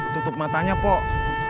tutup matanya pok